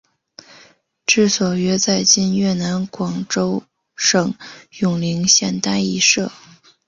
治所约在今越南广治省永灵县丹裔社。